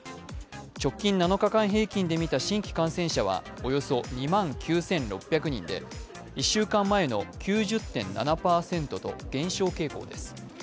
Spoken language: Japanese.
直近７日間平均で見た新規感染者はおよそ２万９６００人で、１週間前の９０．７％と減少傾向です。